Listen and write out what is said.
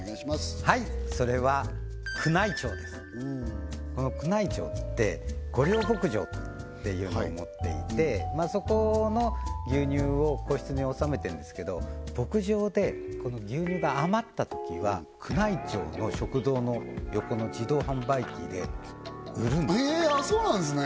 はいそれはお宮内庁って御料牧場っていうのを持っていてそこの牛乳を皇室におさめてんですけど牧場で牛乳が余ったときは宮内庁の食堂の横の自動販売機で売るんですえああそうなんですね